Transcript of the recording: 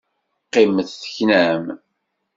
Qqimet teknam!